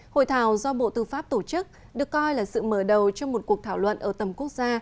hội thảo do bộ tư pháp tổ chức được coi là sự mở đầu cho một cuộc thảo luận ở tầm quốc gia